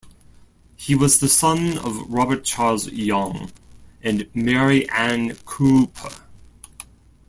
He was the son of Robert Charles Young and Mary Ann Cooper.